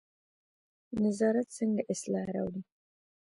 نظارت څنګه اصلاح راوړي؟